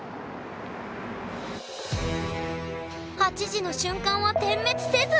８時の瞬間は点滅せず！